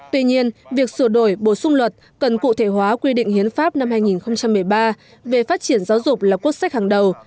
tuy nhiên việc sửa đổi bổ sung luật cần cụ thể hóa quy định hiến pháp năm hai nghìn một mươi ba về phát triển giáo dục là quốc sách hàng đầu